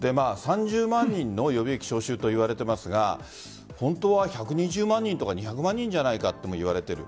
３０万人の予備役招集といわれていますが本当は１２０万人とか２００万人じゃないかともいわれている。